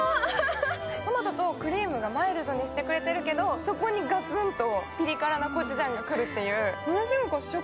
トマトとクリームがマイルドにしてくれてるけどそこにガツンとピリ辛なコチュジャンが来るっていう。